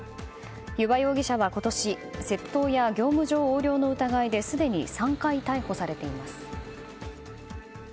弓場容疑者は今年窃盗や業務上横領の疑いですでに３回、逮捕されています。